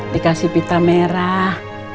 dikasih pita merah